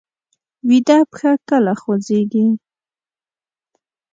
ویده پښه کله خوځېږي